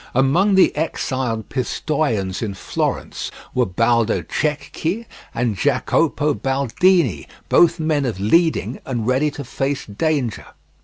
Among the exiled Pistoians in Florence were Baldo Cecchi and Jacopo Baldini, both men of leading and ready to face danger.